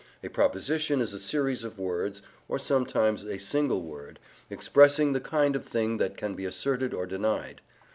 A proposition is a series of words (or sometimes a single word) expressing the kind of thing that can be asserted or denied.